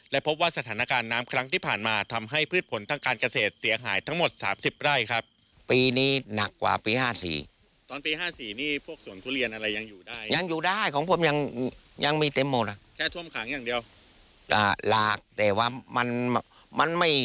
และพบว่าสถานการณ์น้ำครั้งที่ผ่านมาทำให้พืชผลทางการเกษตรเสียหายทั้งหมด๓๐ไร้ครับ